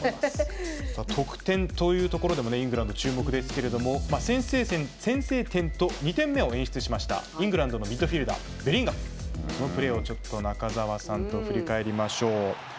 得点というところでもイングランド注目ですけれども先制点と２点目を演出しましたイングランドのミッドフィルダーベリンガムそのプレーを中澤さんと振り返りましょう。